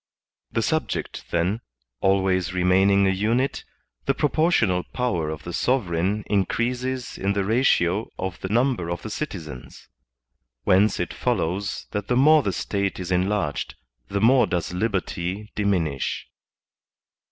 The subject, then, always remaining a unit, the proportional power of the sovereign increases in the ratio of the ntmiber of the citizens. Whence it follows that the more the State is enlarged, the more does liberty diminisn.